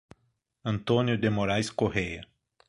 Antônio de Moraes Correa